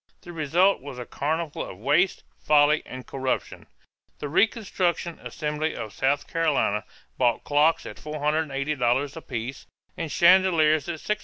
The result was a carnival of waste, folly, and corruption. The "reconstruction" assembly of South Carolina bought clocks at $480 apiece and chandeliers at $650.